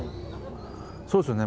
そうですよね。